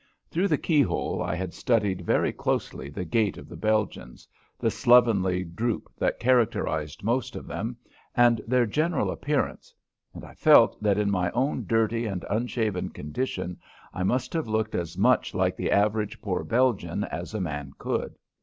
Through the keyhole I had studied very closely the gait of the Belgians, the slovenly droop that characterized most of them, and their general appearance, and I felt that in my own dirty and unshaven condition I must have looked as much like the average poor Belgian as a man could.